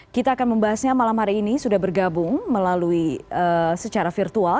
kita akan membahasnya malam hari ini sudah bergabung melalui secara virtual